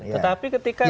tetapi ketika misalnya